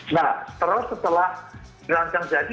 nah terus setelah dirancang jadi